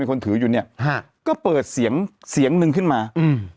คนถืออยู่เนี้ยฮะก็เปิดเสียงเสียงหนึ่งขึ้นมาอืม